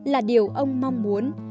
là điều ông mong muốn